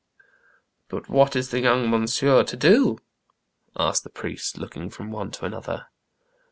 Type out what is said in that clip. But what is the young monsieur to do ?" asked the priest, looking from one to another.